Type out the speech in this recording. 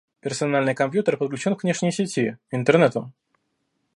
Персональный компьютер подключен к внешней сети – Интернету